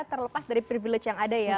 terlepas dari privilege yang ada ya